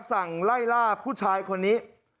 สั่งไล่ล่าผู้ชายคนนี้